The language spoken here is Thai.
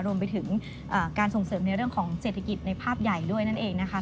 รวมไปถึงการส่งเสริมในเรื่องของเศรษฐกิจในภาพใหญ่ด้วยนั่นเองนะคะ